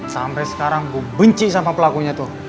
sampai sekarang benci sama pelakunya tuh